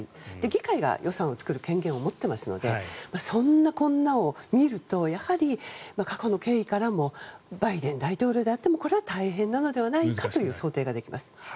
議会が予算を作る権限を持っていますのでそんなこんなを見るとやはり過去の経緯からもバイデン大統領であってもこれは大変なのではないかという想定ができます。